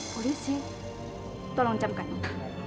polisi tolong ancamkan bu